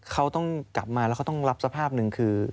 เขาต้องกลับมาแล้วเขาต้องรับสภาพหนึ่งคือ